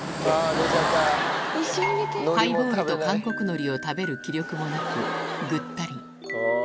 ハイボールと韓国のりを食べる気力もなく、ぐったり。